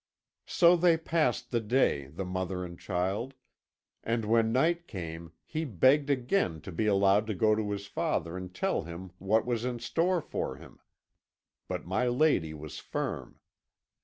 "So they passed the day, the mother and child, and when night came he begged again to be allowed to go to his father and tell him what was in store for him. But my lady was firm.